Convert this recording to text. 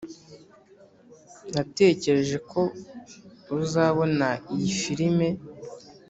natekereje ko uzabona iyi firime.